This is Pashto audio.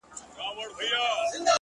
ځكه ځوانان ورانوي ځكه يې زړگي ورانوي;